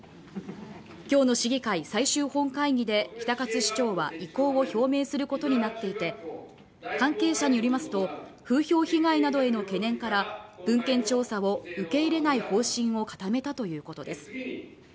きょうの市議会最終本会議で比田勝市長は意向を表明することになっていて関係者によりますと風評被害などへの懸念から文献調査を受け入れない方針を固めたということです